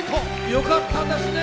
よかったですね